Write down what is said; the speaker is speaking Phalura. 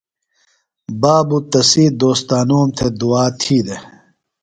بابوۡ تسی دوستانوم تھےۡ دُعا تھی دےۡ۔